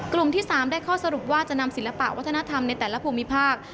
กลุ่มที่๓ได้ข้อสรุปว่าจะนำศิลปะวัฒนธรรมในแต่ละภูมิภาค